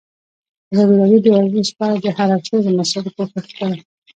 ازادي راډیو د ورزش په اړه د هر اړخیزو مسایلو پوښښ کړی.